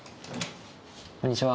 こんにちは。